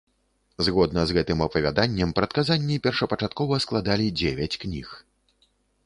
Згодна з гэтым апавяданнем, прадказанні першапачаткова складалі дзевяць кніг.